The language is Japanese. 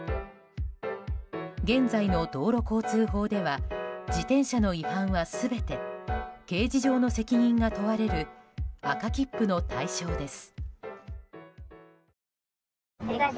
現在の道路交通法では自転車の違反は全て刑事上の責任が問われる赤切符の対象です。